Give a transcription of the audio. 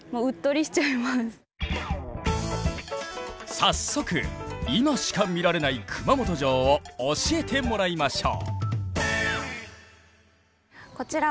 早速今しか見られない熊本城を教えてもらいましょう。